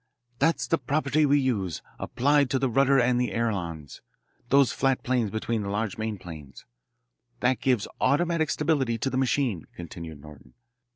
"That's the property we use, applied to the rudder and the ailerons those flat planes between the large main planes. That gives automatic stability to the machine," continued Norton.